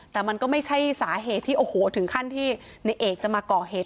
แต่มันก็ไม่ใช่สาเหตุที่โอ้โหถึงขั้นที่ในเอกจะมาก่อเหตุ